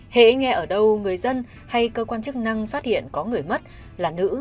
hãy nghe ở đâu người dân hay cơ quan chức năng phát hiện có người mất là nữ